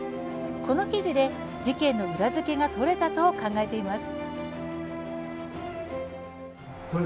この記事で、事件の裏付けがとれたと考えています。